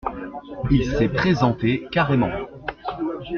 Il s’est présenté carrément…